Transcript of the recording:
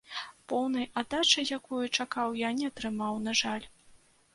Поўнай аддачы, якую чакаў, я не атрымаў, на жаль.